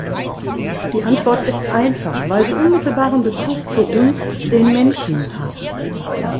Die Antwort ist einfach – weil sie unmittelbaren Bezug zu uns, den Menschen, hat.